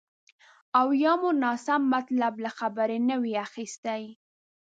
او یا مو ناسم مطلب له خبرې نه وي اخیستی